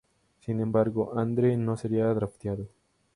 Sin embargo, Andre no sería drafteado.